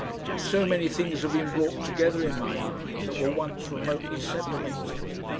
So many things have been brought together in my mind that were once remotely separated.